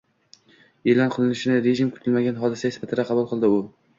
e’lon qilinishini rejim kutilmagan hodisa sifatida qabul qildi, u